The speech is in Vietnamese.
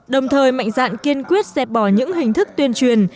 đồng thời mạnh dạn kiên quyết dẹp bỏ những hình thức tuyên truyền